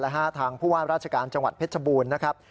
ทางผู้ว่าราชการจังหวัดเพชรบูรณ์นะครับ